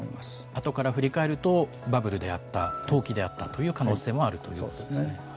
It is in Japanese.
後から振り返るとバブルであった投機であったという可能性もあるということですね。